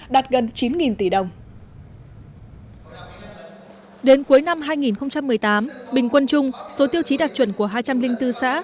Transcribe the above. đạt gần chín tỷ đồng đến cuối năm hai nghìn một mươi tám bình quân chung số tiêu chí đạt chuẩn của hai trăm linh bốn xã